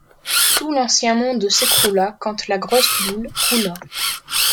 Tout l’ancien monde s’écroulaQuand la grosse boule roula.